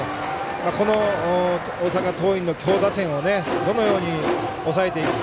この大阪桐蔭の強打線をどのように抑えていくか。